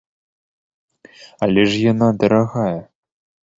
Але ж яна дарагая!